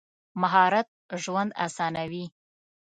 مهارت ژوند اسانوي.